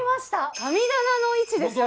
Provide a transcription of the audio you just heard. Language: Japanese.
神棚の位置ですよね。